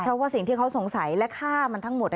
เพราะว่าสิ่งที่เขาสงสัยและฆ่ามันทั้งหมด